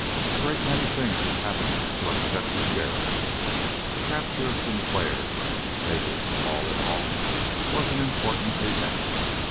A great many things had happened to upset the sheriff. The capture of Sinclair, take it all in all, was an important event.